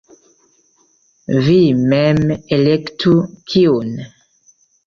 Vi mem elektu, kiun.